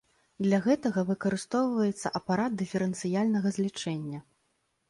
Для гэтага выкарыстоўваецца апарат дыферэнцыяльнага злічэння.